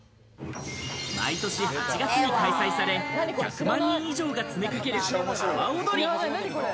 毎年８月に開催され、１００万人以上が詰めかける阿波踊り。